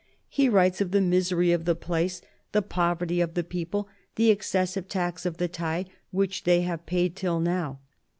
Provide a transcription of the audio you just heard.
He writes of " the misery of the place, the poverty of THE BISHOP OF LUgON 43 the people, the excessive tax of the taille which they have paid till now.